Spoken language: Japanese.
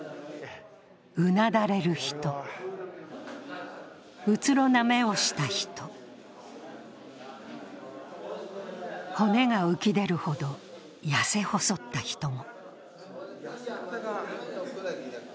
うなだれる人、うつろな目をした人骨が浮き出るほど痩せ細った人も。